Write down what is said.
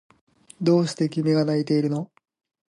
どうして君が泣いているの？